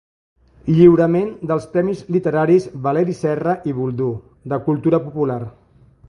Lliurament dels premis literaris Valeri Serra i Boldú, de cultura popular.